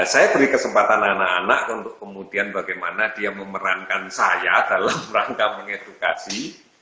saya beri kesempatan anak anak untuk kemudian bagaimana dia memerankan saya dalam rangka mengedukasi